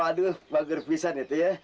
aduh maghrib bisa nih itu ya